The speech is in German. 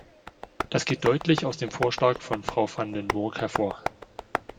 Das geht deutlich aus dem Vorschlag von Frau van den Burg hervor.